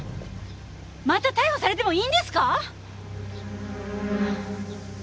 また逮捕されてもいいんですか！？